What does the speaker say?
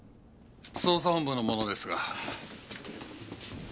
捜査本部の者ですが。